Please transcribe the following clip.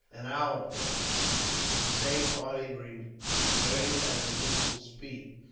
An hour passed, and the same party returned, at an equal speed.